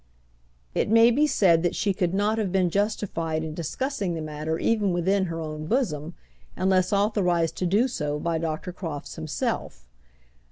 It may be said that she could not have been justified in discussing the matter even within her own bosom, unless authorized to do so by Dr. Crofts himself.